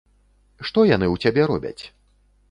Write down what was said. Што яны ў цябе робяць?!